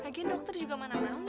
lagi dokter juga mana mana om